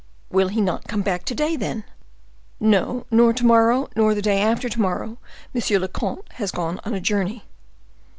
"Will he not come back to day, then?" "No, nor to morrow, nor the day after to morrow. Monsieur le comte has gone on a journey."